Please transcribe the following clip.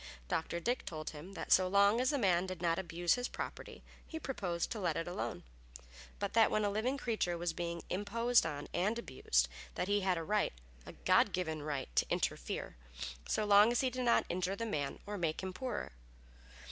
Dr. Dick told him that so long as a man did not abuse his property, he proposed to let it alone; but that when a living creature was being imposed on and abused, that he had a right a God given right to interfere, so long as he did not injure the man or make him poorer.